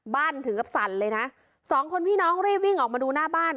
ถึงกับสั่นเลยนะสองคนพี่น้องรีบวิ่งออกมาดูหน้าบ้าน